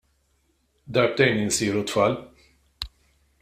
Darbtejn insiru tfal.